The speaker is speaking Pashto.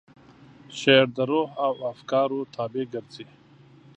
شعر د روح او افکارو تابع ګرځي.